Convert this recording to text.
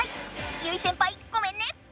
結実先輩ごめんね！